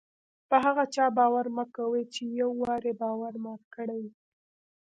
په هغه چا باور مه کوئ! چي یو وار ئې باور مات کړى يي.